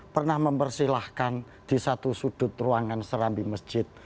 pernah mempersilahkan di satu sudut ruangan serambi masjid